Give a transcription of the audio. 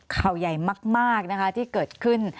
ข่าวใหญ่มากนะคะที่เกิดขึ้น